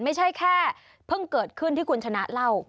ไม่ใช่แค่เพิ่งเกิดขึ้นที่คุณชนะเล่า